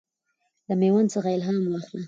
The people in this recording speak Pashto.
له میوند څخه الهام واخله.